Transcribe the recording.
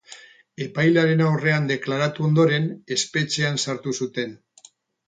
Epailearen aurrean deklaratu ondoren, espetxean sartu zuten.